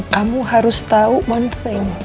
kamu harus tau one thing